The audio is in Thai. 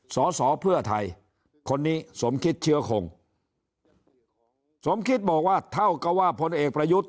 สอสอเพื่อไทยคนนี้สมคิดเชื้อคงสมคิดบอกว่าเท่ากับว่าพลเอกประยุทธ์